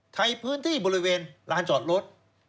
ในพื้นที่บริเวณลานจอดรถ